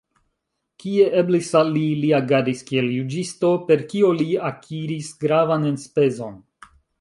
Kie eblis al li, li agadis kiel juĝisto, per kio li akiris gravan enspezon.